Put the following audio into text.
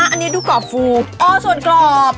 อันนี้ดูกรอบฟูม